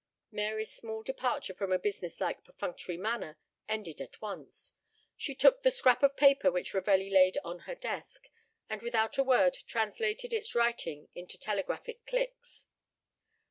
Mary's small departure from a business like perfunctory manner ended at once. She took the scrap of paper which Ravelli laid on her desk, and without a word translated its writing into telegraphic clicks.